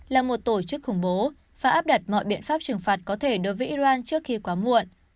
là một tổ chức khủng bố và áp đặt mọi biện pháp trừng phạt có thể đối với iran trước khi quá muộn